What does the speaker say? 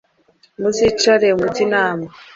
muzicare mujye inama